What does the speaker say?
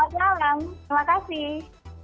selamat malam terima kasih